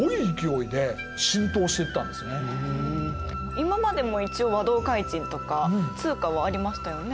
今までも一応和同開珎とか通貨はありましたよね。